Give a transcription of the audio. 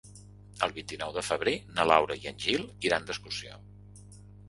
El vint-i-nou de febrer na Laura i en Gil iran d'excursió.